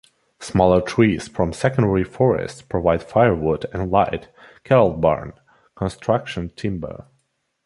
Smaller trees from secondary forest provide firewood and light (cattle barn) construction timber